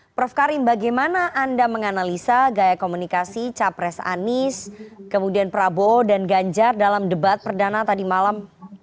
prof karim bagaimana anda menganalisa gaya komunikasi capres anies kemudian prabowo dan ganjar dalam debat perdana tadi malam